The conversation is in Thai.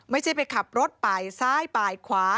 ไม่ใช่ไปขับรถป่ายซ้ายบ่ายขวา